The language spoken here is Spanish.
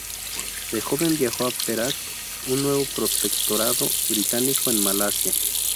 De joven viajó a Perak, un nuevo protectorado británico en Malasia.